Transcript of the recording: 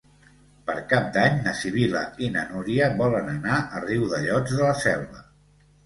Per Cap d'Any na Sibil·la i na Núria volen anar a Riudellots de la Selva.